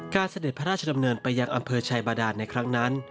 เสด็จพระราชดำเนินไปยังอำเภอชัยบาดานในครั้งนั้น